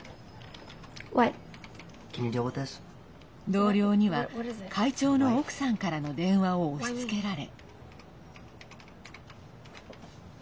同僚には、会長の奥さんからの電話を押しつけられ。